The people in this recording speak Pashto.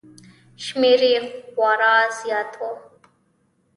شمېر یې خورا زیات و